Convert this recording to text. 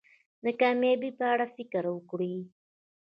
د کامیابی په اړه فکر وکړی.